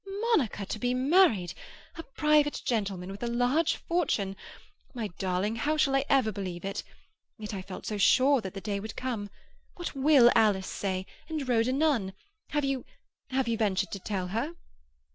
"Monica to be married! A private gentleman—a large fortune! My darling, how shall I ever believe it? Yet I felt so sure that the day would come. What will Alice say? And Rhoda Nunn? Have you—have you ventured to tell her?"